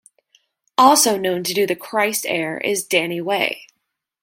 Also known to do the Christ Air is Danny Way.